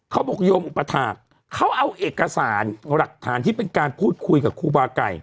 โยมอุปถาคเขาเอาเอกสารหลักฐานที่เป็นการพูดคุยกับครูบาไก่